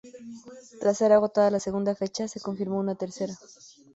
Tras ser agotada la segunda fecha, se confirmó una tercera.